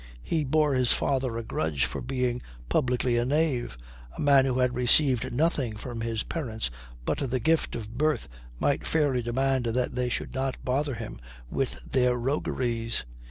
He bore his father a grudge for being publicly a knave: a man who had received nothing from his parents but the gift of birth might fairly demand that they should not bother him with their rogueries.